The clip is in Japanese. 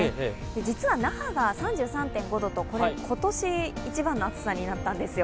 実は那覇が３５．５度と今年一番の暑さになったんですよ。